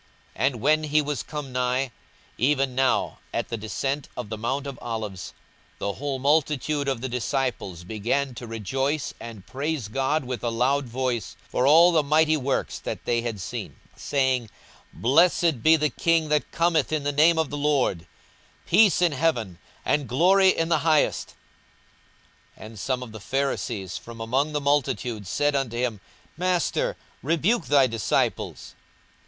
42:019:037 And when he was come nigh, even now at the descent of the mount of Olives, the whole multitude of the disciples began to rejoice and praise God with a loud voice for all the mighty works that they had seen; 42:019:038 Saying, Blessed be the King that cometh in the name of the Lord: peace in heaven, and glory in the highest. 42:019:039 And some of the Pharisees from among the multitude said unto him, Master, rebuke thy disciples.